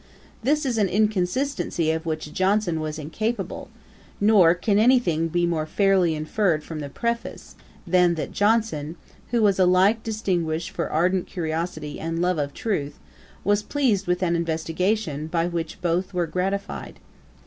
This is an inconsistency of which Johnson was incapable; nor can any thing more be fairly inferred from the Preface, than that Johnson, who was alike distinguished for ardent curiosity and love of truth, was pleased with an investigation by which both were gratified.